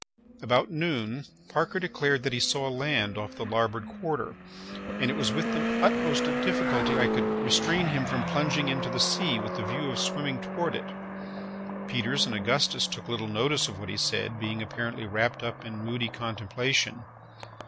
About noon Parker declared that he saw land off the larboard quarter, and it was with the utmost difficulty I could restrain him from plunging into the sea with the view of swimming toward it. Peters and Augustus took little notice of what he said, being apparently wrapped up in moody contemplation.